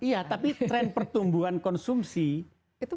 iya tapi tren pertumbuhan konsumsi itu